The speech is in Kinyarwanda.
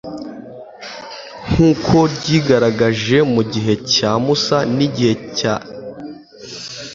nk'uko ryigaragaje mu gihe cya musa n'igihe salomoni yasengaga